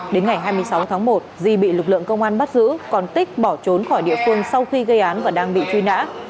đến ngày hai mươi sáu tháng một di bị lực lượng công an bắt giữ còn tích bỏ trốn khỏi địa phương sau khi gây án và đang bị truy nã